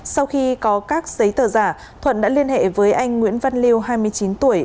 sau khi có các giấy tờ giả thuận đã liên hệ với anh nguyễn văn liêu hai mươi chín tuổi